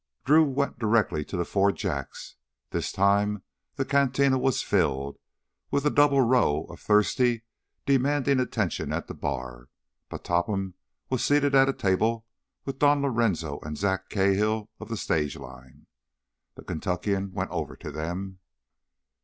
Drew went directly to the Four Jacks. This time the cantina was filled, with a double row of the thirsty demanding attention at the bar. But Topham was seated at a table with Don Lorenzo and Zack Cahill of the stage line. The Kentuckian went over to them.